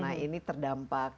nah ini terdampak